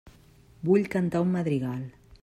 Vull cantar un madrigal.